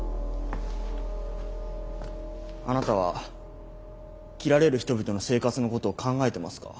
あなたは切られる人々の生活のことを考えてますか？